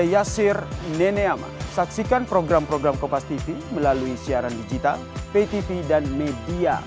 jadi ketahanan pangan dalam konteks yang lebih luas ya